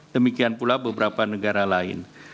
demikian pula beberapa negara lain